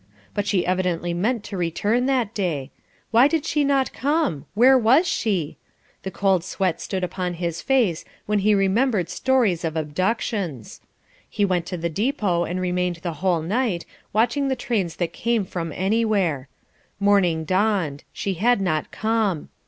But she evidently meant to return that day. Why did she not come? Where was she? The cold sweat stood upon his face when he remembered stories of abductions. He went to the depot and remained the whole night, watching the trains that came from anywhere. Morning dawned; she had not come.